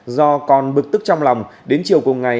do còn bực tức trong lòng đến chiều cùng ngày